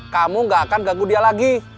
kamu gak akan ganggu dia lagi